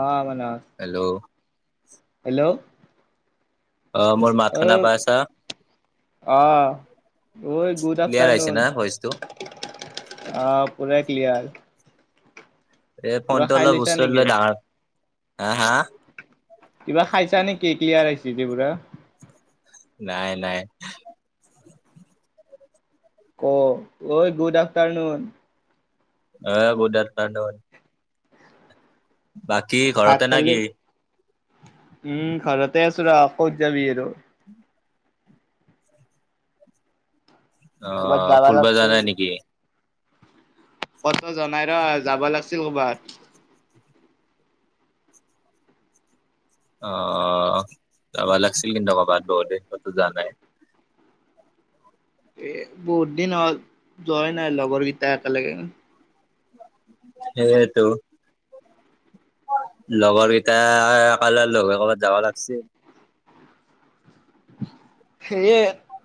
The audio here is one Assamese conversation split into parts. অ ম হেল্ল' হেল্ল' মোৰ মাত শুনা আহ পাইছা আহ গুড ক্লিয়াৰ আহিছে আফ্টাৰনন না ভইচটো আহ পুৰা ক্লিয়াৰ। এই কিবা ফোনটো খাই অলপ লৈছা ওচৰত নেকি? লৈ ডাঙৰ। হা হা কিবা খাইছা নেকি ক্লিয়াৰ আহিছ যে পুৰা নাই নাই অ ঐ গুড আফ্টাৰনুন। অঁ গুড আফ্টাৰ্ণুন বাকী ভাত ঘৰতে নে খালি কি? উম ঘৰতে আছো ৰ ক'ত যাবি আৰু। অ ক'বাত যাবা ফুৰব যোৱা নাই নেকি? পত ত জনাই ৰ যাব লাগিছিল ক'বাত। আহ যাবা লাগিছিল কিন্তু কবাত বহুত দিন কতো জা নাই। এ বহুত দিন হল যোৱাই নাই লগৰ কেইটা একেলগে। সেইটো লগৰ কেইটাই লগ হয় কবাত যাব লাগছিল। সেয়ে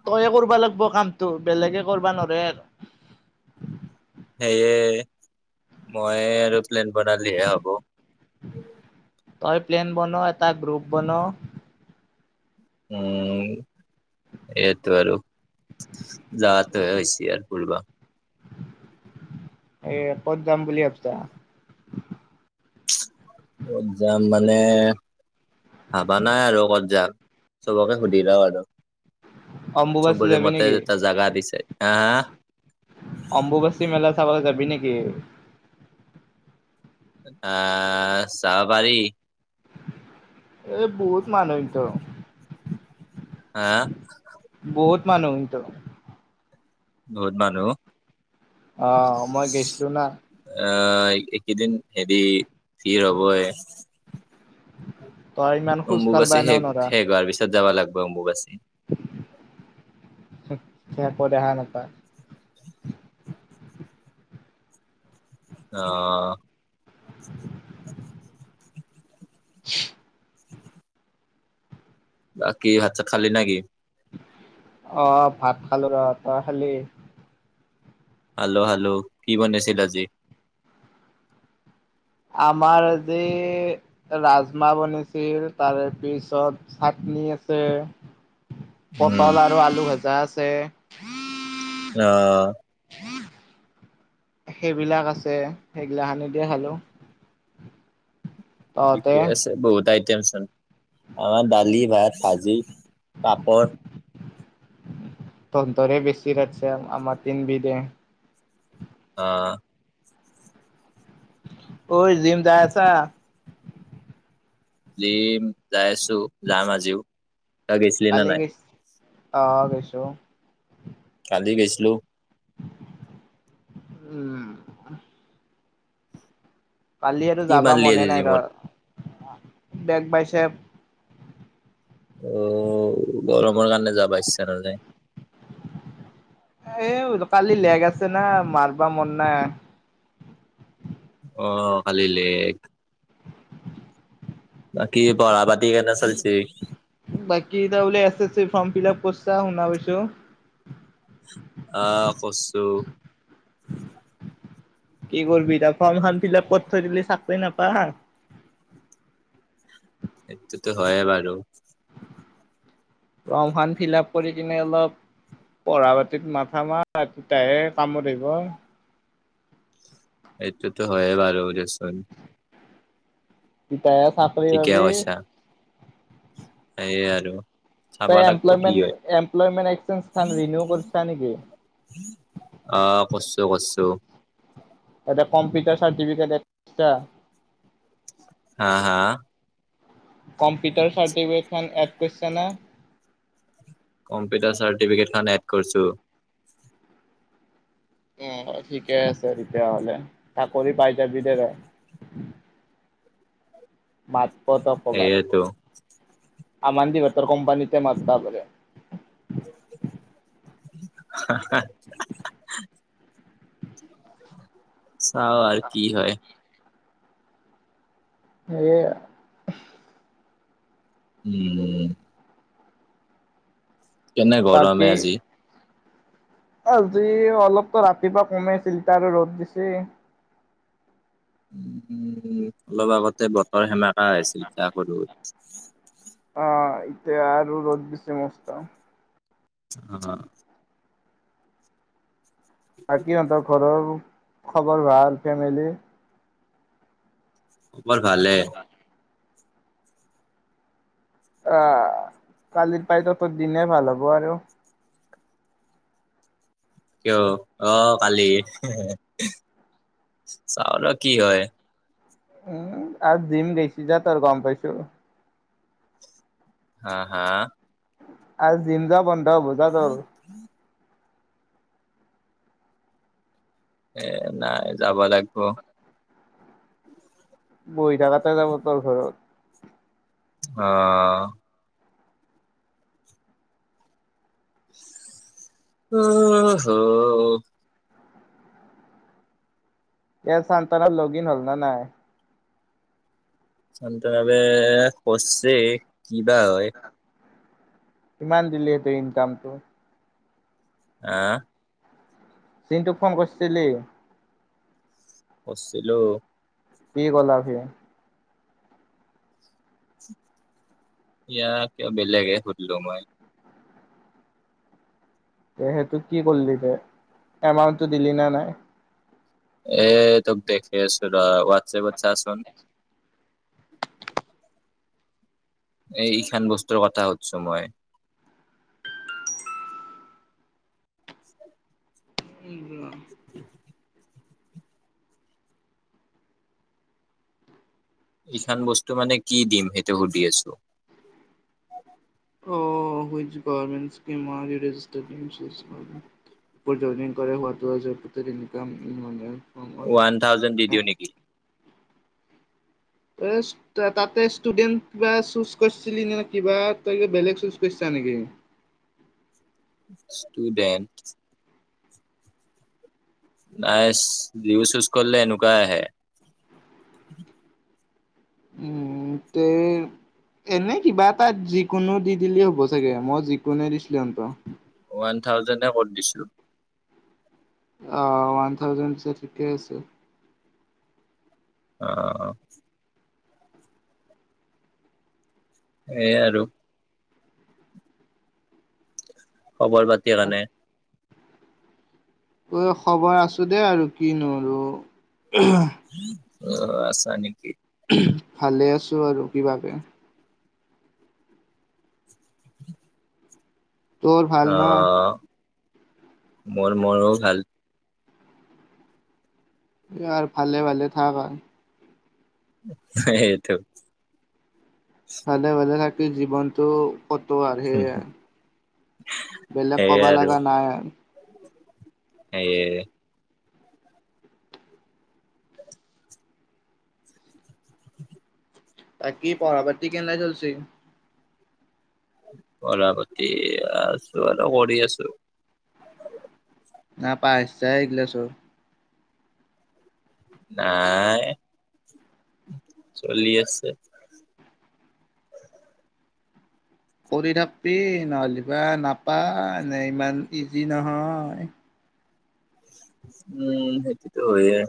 তয়ে কৰিবা লাগিব কামটো বেলেগে কৰিবা নৰে আৰু। সেয়ে মই আৰু প্লেন বনাইলিহে হব। তই প্লেন বন এটা গ্ৰুপ বন। উম সেইটো আৰু যোৱাটোহে হৈছে আৰু ফূৰবা এ ক'ত যাম বুলি ভাবিছা। কত যাম মানে ভাবা নাই আৰু কত যাম চবকে সুধি লও আৰু অম্বুবাচী চবৰে যাবি মতে এটা জাগা দিছে আহ আহ।। অম্বুবাসি মেলা চাব যাবি নেকি? কে আহ চাব পাৰি। এই বহুত মানুহ হয় ত আহ মানুহটো বহুত মানুহ। অ' মই গেছিলো না! আহ এইকেইদিন হেৰি থিৰ হ'বই । তই ইমান খোজ কাঢ়বা অম্বুবাচী এনেও শেষ, নৰা, শেষ হোৱাৰ পিছত যাবা লাগব অম্বুবাচী। একো দেখা নাপায় । অ'। [inaudible] বাকি ভাত-চাত খালি নেকি? অ' ভাত খালো ৰ। তই খালি? হেল্ল, হেল্ল, কি বনাইছিল আজি? আমাৰ আজি ৰাজমাহ বনাইছিল, তাৰেপিছত চাটনি আছে। উম পটল আৰু আলু ভজা আছে । [unintelligible] অ'। সেইবিলাক আছে, সেইগিলাখনে দিয়ে খালোঁ। ঠিকেই আছে। বহুত আ আমাৰ দালি, ভাত, ভাজি, পাপৰ। তহঁতৰে বেছি ৰান্ধছে, আমাৰ তিনবিধে । অ'। অ' জিম যাই আছা? জিম, যাই আছো, যাম আজিও । তই গেছিলি নে কালি নাই? গৈছ অ' গৈছো । কালি গৈছিলো । উম। কালি এটো যাবা কিমান লি মনে আজি নাই জিমত ধৰ । Back bicep. অ' গৰমৰ কাৰণে যাব ইচ্ছা নাযায়। এই কালি লেগ আছে না, মাৰবা মন নাই । অ' কালি লেগ। বাকী পঢ়া-পাতি কেনে চলছে? বাকী তই বোলে এছ-এছ-চি ফৰ্ম ফিলাপ কৰিছা, শুনা পাইছো। আহ কৰচো কি কৰিবি এতিয়া, ফৰ্মখন ফিলাপ কৰি থৈ দিলি চাকৰি নাপা। সেইটোতো হয় বাৰু। ফৰ্মখন ফিলাপ কৰি কিনে অলপ পঢ়া-পাতিত মাথা মাৰ, তেতিয়াহে কামত আহিব । এইটোতো হয়ে বাৰু দেচোন । তেহে চাকৰি পাবি । সেয়া আৰু চাব তই লাগিব কি এমপ্লয়মেণ্ট হয়! এমপ্লয়মেণ্ট এক্সচেঞ্জ খন ৰিনিউ কৰিছা নেকি? অ' কৰছো কৰছো। এটা কম্পিউটাৰ চাৰ্টিফিকেট। হা হা। কম্পিউটাৰ চাৰ্টিফিকেটখন এড কৰিছে না। কম্পিউটাৰ চাৰ্টিফিকেট খ এড কৰিছো। অ ঠিকে আছে তেতিয়াহলে চাকৰি পাই যাবি দে বাই। বাত পতপবাত। সেয়েতো আমমান দিবত কম্পানীতে মাজটা ব। হ। চাও আৰু কি হয়। এই। উম। কেনে বাকী গৰমে আজি। আজি অলপতো ৰাতিপুৱা কমাইছিল তাৰ আৰু ৰ'দ দিছে। উ লবাবত। ততে বতৰ সেমেকা আছিলা, কৰোত। উম। অ ইতেয়া আৰু ৰ'দ বি সমস্তা। হ। সিহঁতৰ ঘৰৰ, খবৰ ভাল ফেমিলি। বৰ ভালে। আহ, কালিৰ পাই তত দিনে ভাল হ'ব আৰু। কিয়, অ কালি, চাওল কি হয়। উম আৰু দিম গৈছি যা ত আৰু গম পাইছো। হা হা। আজ জিমজা বন। ন মজা ন আৰু। এ নাই যাব লাগিব। বহি থাকাতে যাব তোৰ ঘৰত। আহ। আহ হ। ইয়াত চান্তান লগইন হ'ল ন নাই। চানটাৰা ভাৱে বচছে। কিবা হয়। কিমান দিলেহেতে, ইনকামটো। আহ। চিনন্তুোক ফোন কৰিছিলি। বছিলো। কি ক'লা ভি। ইয়া ক বেলেগে খুদলো মই। তে সেইটো কি কৰিলি, দে এমাউন্টটো দিলি নে নাই। এ তো়ক দেখাই আছোঁ ৰহ ৱাট ৱাটচেপট চা চোঁন। [inaudible] এই ই খান বস্তুৰ কথা কৈছো মই [inaudible] উ [inaudible] এইখান বস্তু মানে কি দিম সেইটো সুধি আছোঁ স্ানে [unintelligible] ৱান থাউজেন্ড দি দিওঁ নেকি? ইছ তাতে ষ্টুডেন্ট কিবা চুজ কৰিছিলি নে নহ কিবা তই কিবা বেলেগ চুজ কৰিছা নেকি? ষ্টুডেণ্ট নাইচ ভিউজ চুজ কৰিলে এনেকুৱাই আহে উম এনে কিবা এটা যিকোনো দি দিলে হ'ব চাগে মই যিকোঁনো দিছিলো সিহঁতক। ওৱান থাউজেণ্ডে কত দিছোঁ- অঁ, ওৱান থাউজেণ্ড যে ঠিকে আছে অ সেইয়া আৰু। খবৰ বাদ আনে- উম খবৰ আছো দেই আৰু কি নো আৰু অ, হহঁ- অহঁ আছা নেকি? ভালে আছো আৰু কি ভাবে তোৰ ভাল নহঁ? মৰ মোৰোঁ ভাল। আহঁ, ভালে ভালে থাক আৰু সেইটো ভালে ভালে থাক। গোটে জীৱনটো। কতোঁ আৰু সেয়ে বেলেগ সেইয়ে কবা আৰু লগা নাই। সেয়ে। তাক কি পৰৱৰ্তী কেনে চলচি। পঢ়া পাতি আছো আৰু কৰি আছোঁ। নাপায় চাইগিলা চোন নাই চলি আছে। কৰি থাকবি নহ'লে বা নাপা নে ইমান ইজি নহয় উম সেইতটো হয় এ।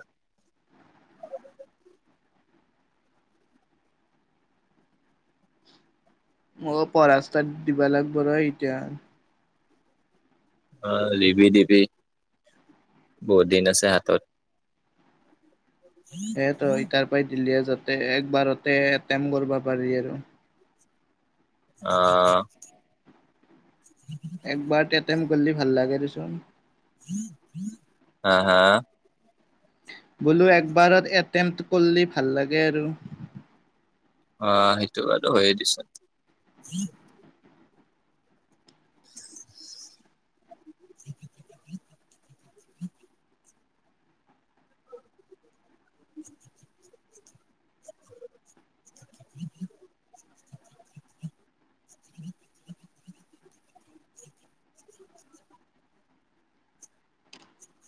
মইও, পঢ়া ইস্তাত দিবা লাগব আৰু এতিয়া- অঁ, দিবি দিবি বহুত দিন আছে হাঁতত- এত তই তাৰ পৰা দিল্লিয়ে যাতে একবাৰতে এটেম কৰিব পাৰি আৰু। অহঁ। একবাৰ তে। এটেম কৰিলে ভাল লাগে দেচোন। হা হা। বোলো একবাৰত এটেমপ্ত কৰিলে ভাল লাগে আৰু। অহ সেইটো বাৰু হয়ে দেচোন [unintelligible] উ [unintelligible] উ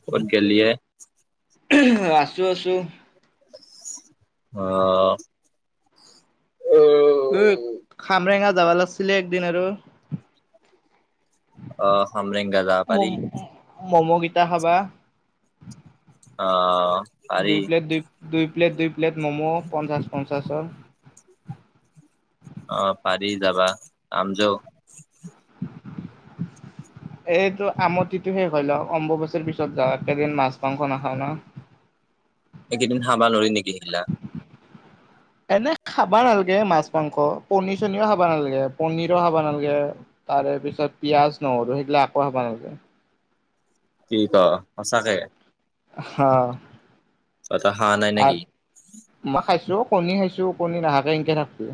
কত গলিয়ে এহ আছো আছো। অহ। এ খামৰেঙাত যাবা লাগছিলে একদিন আৰু। অ হমৰিং যাব মম পাৰি। ম'ম'কেইটা খাবা। অ। পাৰি দুই প্লেট দুই দুই। প্লেট দুই প্লেট ম'ম' পঞ্চাছ পঞ্চ তাৰছত অ পাৰি যাবা আম যও। এইটো আমঠিটো শেষ হয় লক অম্বুবচিৰ পিছত যাওঁ একেদিন মাছ মাংস নাখাও ন। একেদিন খাবা নৰি নেকি কেলা। এনে খাবা নালাগে মাছ মাংস পনিৰ চনীও খাব নালাগে পনিৰো খাব নালাগে তাৰে পিছত পিয়াজ নহৰু সেইবিলাক আকো খাব নালাগে। ঠিক আ আছা কেই। হ আটা হা নাই নেকি। ম মই খাইছো কণী খাইছো কণী নাহাকে এনকে থাকবি।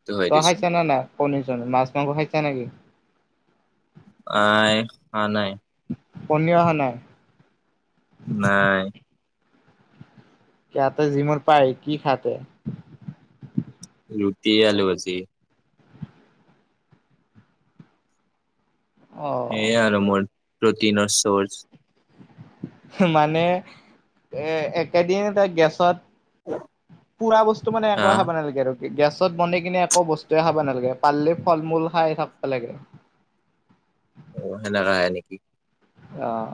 অ। হয় ত দেচোন আহাইছে ন না। পনীৰ চনীৰ মাছ মাংস খাইছা নেকি। এই আহা নাই। পানী পিয়া অহা নাই। নাই। ইয়াতে জিমৰ পা আই কি খাতে। ৰুতি আলুু ভাজি। অ এয়া আৰু মোৰ। প্ৰটিনৰ ছৰ্জ। মানে এ একেদিন এটা গেছত। পুৰা বস্তু মানে হা এইটোৱে খাব নালাগে আৰু। গেছত বনাই কিনে একো বস্তুৱে খাব নালাগে। পালিলে ফল মূল খাই থাকিব লাগে। অ সেনেকা হয় নেকি অহ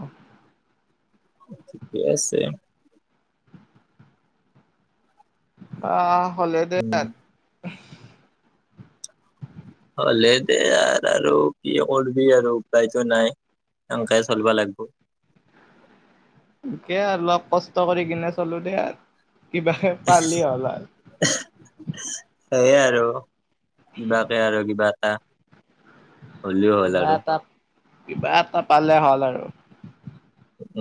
ঠিকে আছে অ হলে উম [unintelligible] হলে দে আৰু আৰু কি কৰিববি আৰু উপায়তো নাই সকাই চলিবা লাগিব। কে আৰু অলপ কষ্ট কৰি কিনে চলো দেই আৰু কিবাে পালি হ'ল সেইয়ে আৰু কিবাকে আৰু কিবা এটা হলও হল কিবা আৰু এটা কিবা এটা পালে হ'ল আৰু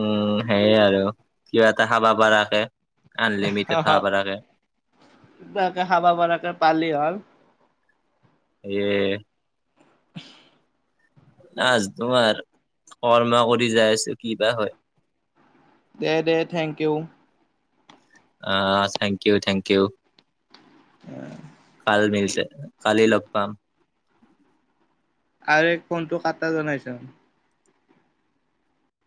উম সেইয়ে আৰু কিবা এটা খাবা পৰাকে তাকে খাবা বকে পালি হ এ আজ তোমাৰ কৰ্মা কৰি যাই আছো কি বাা হয় দে দে থেংক ইউ অ থেংক ইউ থেংক ইউ উ কাল মিলছে কালি লগ পাম। আৰু ফোনটো কটা জনাইছ।